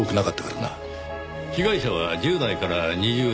被害者は１０代から２０代。